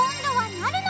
なるの。